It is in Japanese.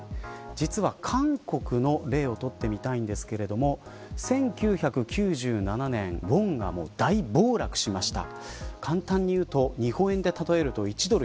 実は韓国の例を取ってみたいんですが１９９７年ウォンが大暴落しました。